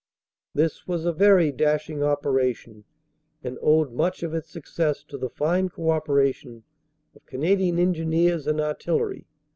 This was a very dashing operation, and owed much of its success to the fine co operation of Canadian Engineers and Artillery.